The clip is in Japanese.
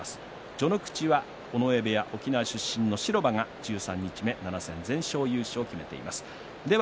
序ノ口は尾上部屋、沖縄出身の城間が十三日目７戦全勝優勝を決めています。